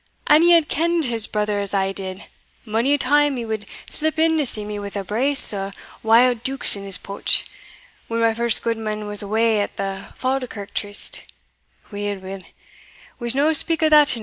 an ye had kend his brother as I did mony a time he wad slip in to see me wi' a brace o' wild deukes in his pouch, when my first gudeman was awa at the Falkirk tryst weel, weel we'se no speak o' that e'enow."